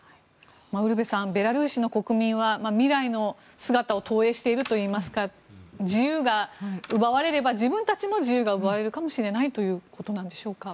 ウルヴェさんベラルーシの国民は未来の姿を投影しているといいますか自由が奪われれば自分たちの自由が奪われるかもしれないということでしょうか。